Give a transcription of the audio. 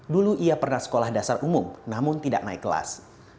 dulu ia pernah sekolah dasar umum namun tidak naik kelas